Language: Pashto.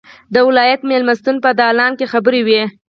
د ولایت مېلمستون په دالان کې خبرې وې.